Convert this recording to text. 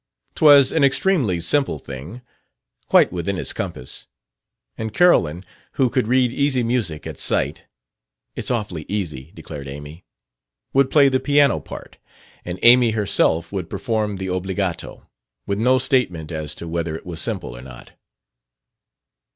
'Twas an extremely simple thing, quite within his compass; and Carolyn, who could read easy music at sight ("It's awfully easy," declared Amy), would play the piano part; and Amy herself would perform the obbligato (with no statement as to whether it was simple or not).